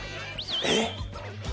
えっ？